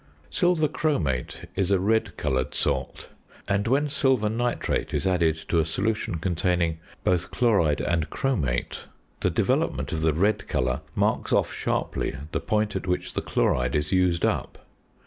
Silver chromate is a red coloured salt; and, when silver nitrate is added to a solution containing both chloride and chromate, the development of the red colour marks off sharply the point at which the chloride is used up.